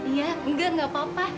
iya enggak enggak papa